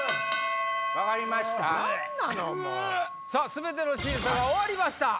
全ての審査が終わりました。